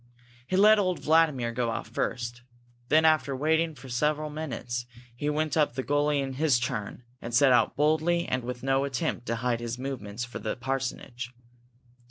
He let old Vladimir go out first. Then, after waiting for several minutes, he went up the gully in his turn, and set out boldly and with no attempt to hide his movements, for the parsonage.